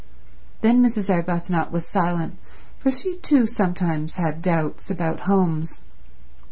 Then Mrs. Arbuthnot was silent, for she too sometimes had doubts about homes.